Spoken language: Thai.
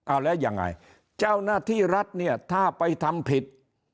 เอาแล้วยังไงเจ้าหน้าที่รัฐเนี่ยถ้าไปทำผิด